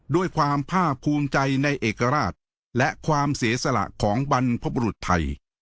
ด้วยความภาคภูมิใจในเอกราชและความเสียสละของบรรพบรุษไทย